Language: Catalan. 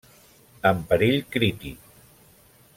En perill crític.